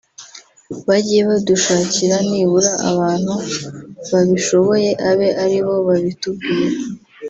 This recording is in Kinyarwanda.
bajye badushakira nibura abantu babishoboye abe aribo babitubwira